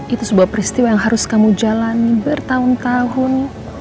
itu sebuah peristiwa yang harus kamu jalani bertahun tahun